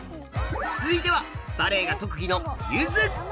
続いてはバレエが特技の中国語？